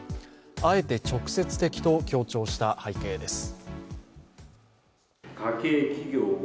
あえて直接的と強調した背景です。